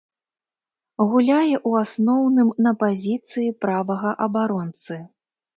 Гуляе, у асноўным, на пазіцыі правага абаронцы.